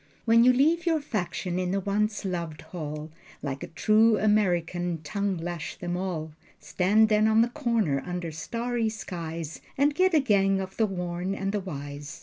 When you leave your faction in the once loved hall, Like a true American tongue lash them all, Stand then on the corner under starry skies And get you a gang of the worn and the wise.